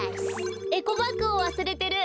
エコバッグをわすれてる。